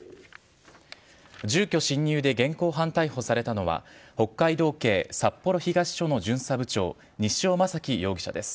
住居侵入で現行犯逮捕されたのは、北海道警札幌東署の巡査部長、西尾将希容疑者です。